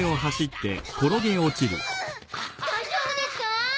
大丈夫ですか！？